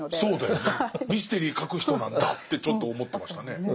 そうだよねミステリー書く人なんだってちょっと思ってましたね。